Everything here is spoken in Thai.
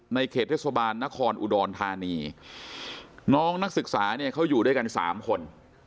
เขตเทศบาลนครอุดรธานีน้องนักศึกษาเนี่ยเขาอยู่ด้วยกันสามคน